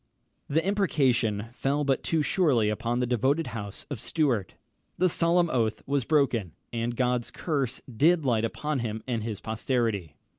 ] The imprecation fell but too surely upon the devoted house of Stuart. The solemn oath was broken, and God's curse did light upon him and his posterity!